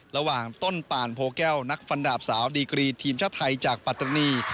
ระหว่างต้นปานโพแก้วนักฟันดาบสาวดีกรีทีมชาติไทยจากปัตตานี